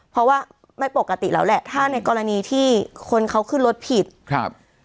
เพราะว่าไม่ปกติแล้วแหละถ้าในกรณีที่คนเขาขึ้นรถผิดครับ